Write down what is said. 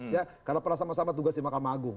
ya karena pernah sama sama tugas di makal magung